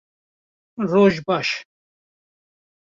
Roj baş